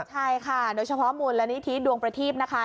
ใช่ค่ะโดยเฉพาะมูลนิธิดวงประทีพนะคะ